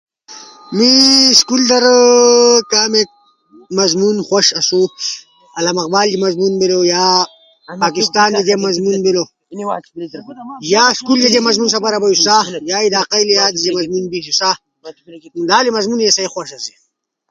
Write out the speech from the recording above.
اسئ اسکول در مضمون آنا دواش ہنو سہ کمیک ہنو پیغمبر ص جہ مضمون بیلو یا اسئ وطن جہ مضمون بیلو یا سہ اسئ خواش اسو